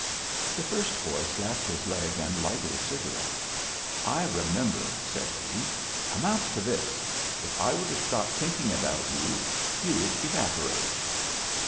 The first boy slapped his leg and lighted a cigarette. "I remember," said he. "Amounts to this: If I were to stop thinking about you, you'd evaporate."